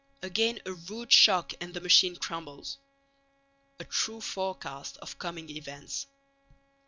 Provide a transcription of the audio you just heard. Again a rude shock and the machine crumbles. A true forecast of coming events.